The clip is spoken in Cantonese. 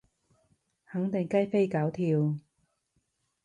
肯定雞飛狗跳